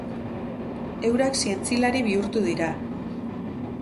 Eurak zientzilari bihurtu dira.